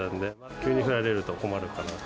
急に降られると困るかなと。